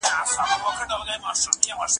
او د ژوند یواځینی مقصد یې